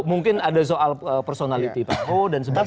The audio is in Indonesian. mungkin ada soal personality pak o dan sebagainya